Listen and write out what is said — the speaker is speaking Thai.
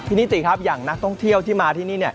นิติครับอย่างนักท่องเที่ยวที่มาที่นี่